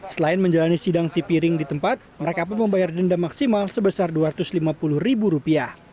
selain menjalani sidang tipiring di tempat mereka pun membayar denda maksimal sebesar rp dua ratus lima puluh